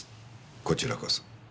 こちらこそ。